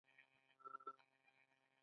ایا عمل کولو ته چمتو یاست؟